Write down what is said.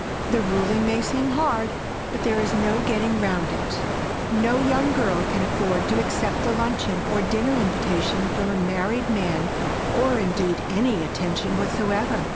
The ruling may seem hard, but there is no getting round it. No young girl can afford to accept a luncheon or dinner invitation from a married man or, indeed, any attention whatsoever.